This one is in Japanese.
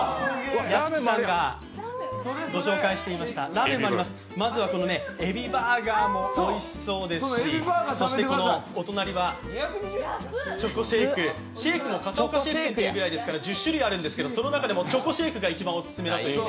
屋敷さんがご紹介していましたラーメンもあります、まずはこのエビバーガーもおいしそうですしそしてこのお隣はチョコシェーク、シェークも片岡シェーク店と言うぐらいですから１０種類あるんですけど、その中でもチョコシェークが一番オススメだと。